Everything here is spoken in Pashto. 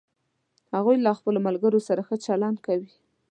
هغوی له خپلوملګرو سره ښه چلند کوي